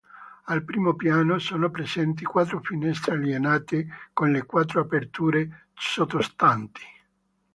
Al primo piano sono presenti quattro finestre allineate con le quattro aperture sottostanti.